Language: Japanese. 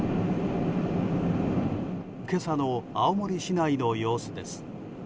今朝の青森市内の様子です。